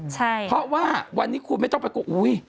ใช่เพราะว่าวันนี้คุณไม่ต้องไปกลัวอุ้ย